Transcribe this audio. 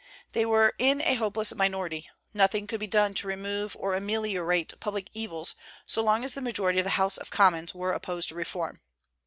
They were in a hopeless minority; nothing could be done to remove or ameliorate public evils so long as the majority of the House of Commons were opposed to reform.